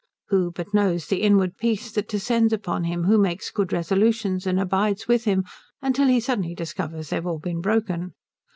Who but knows the inward peace that descends upon him who makes good resolutions and abides with him till he suddenly discovers they have all been broken?